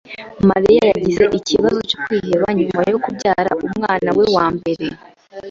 Mariya yagize ikibazo cyo kwiheba nyuma yo kubyara umwana we wa mbere.